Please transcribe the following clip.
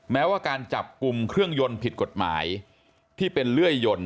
แม้ว่าการจับกลุ่มเครื่องยนต์ผิดกฎหมายที่เป็นเลื่อยยนต์